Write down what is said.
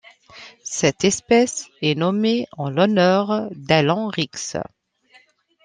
Cette espèce est nommée en l'honneur d'Alan Rix.